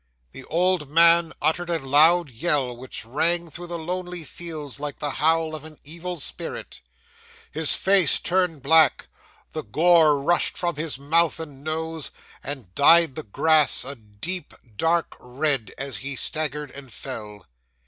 'The old man uttered a loud yell which rang through the lonely fields like the howl of an evil spirit. His face turned black, the gore rushed from his mouth and nose, and dyed the grass a deep, dark red, as he staggered and fell.